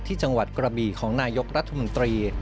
จังหวัดกระบีของนายกรัฐมนตรี